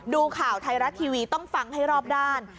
ดูข่าวไทยรัฐทีวีต้องฟังให้รอบด้าน